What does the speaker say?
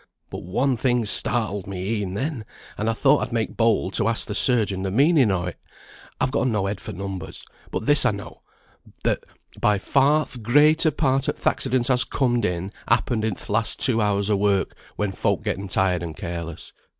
But one thing startled me e'en then, and I thought I'd make bold to ask the surgeon the meaning o't. I've gotten no head for numbers, but this I know, that by far th' greater part o' th' accidents as comed in, happened in th' last two hours o' work, when folk getten tired and careless.